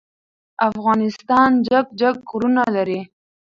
افغانستان جګ جګ غرونه لری.